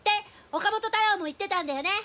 岡本太郎も言ってたんだよね！